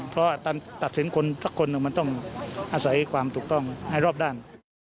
เพราะการตัดสินคนสักคนหนึ่งมันต้องอาศัยความถูกต้องให้รอบด้าน